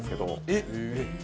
えっ！